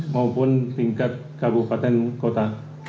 maupun tingkat kabupaten kota